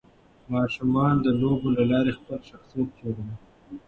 ماشومان د لوبو له لارې خپل شخصيت جوړوي.